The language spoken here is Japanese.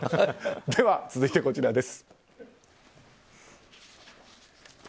では、続いてこちらです。